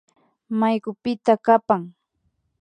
Maykupita kapan